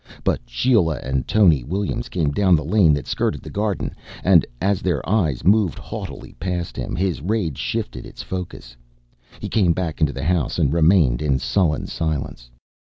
But Sheila and Tony Williams came down the lane that skirted the garden and, as their eyes moved haughtily past him, his rage shifted its focus. He came back into the house and remained in sullen silence.